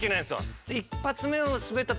１発目を。